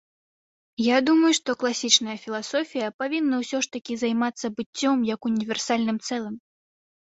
Я думаю, што класічная філасофія павінна ўсё ж такі займацца быццём як універсальным цэлым.